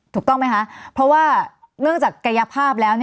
ถูกต้องไหมคะเพราะว่านอกจากกายภาพแล้ว